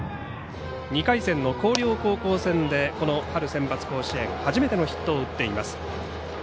２回戦の広陵高校戦でこの春センバツ甲子園初めてのヒットを打っています。